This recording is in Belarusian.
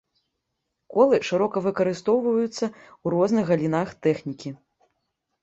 Колы шырока выкарыстоўваецца ў розных галінах тэхнікі.